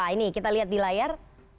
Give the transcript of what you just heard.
ini kita lihat di layar